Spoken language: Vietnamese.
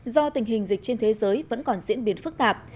do tình hình dịch trên thế giới vẫn còn diễn biến phức tạp